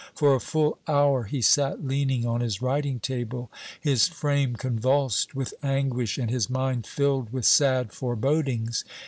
For a full hour he sat leaning on his writing table, his frame convulsed with anguish, and his mind filled with sad forebodings.